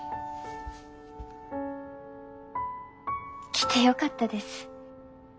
来てよかったです。